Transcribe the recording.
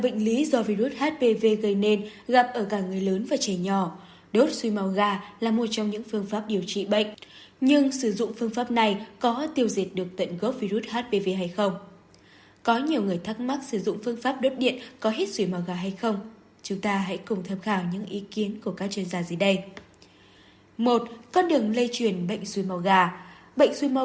các bạn hãy đăng ký kênh để ủng hộ kênh của chúng mình nhé